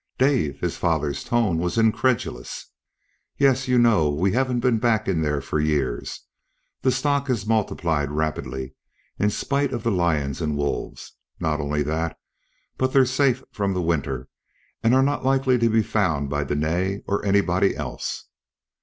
"Dave!" His father's tone was incredulous. "Yes. You know we haven't been back in there for years. The stock has multiplied rapidly in spite of the lions and wolves. Not only that, but they're safe from the winter, and are not likely to be found by Dene or anybody else."